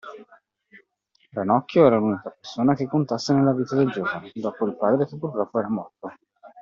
Ranocchio era l’unica persona che contasse nella vita del giovane , dopo il padre che purtroppo era morto.